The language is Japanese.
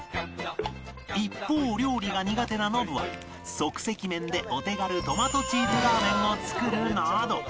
一方料理が苦手なノブは即席麺でお手軽トマトチーズラーメンを作るなど